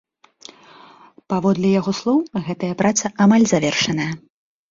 Паводле яго слоў, гэтая праца амаль завершаная.